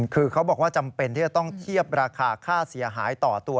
คือเขาบอกว่าจำเป็นที่จะต้องเทียบราคาค่าเสียหายต่อตัว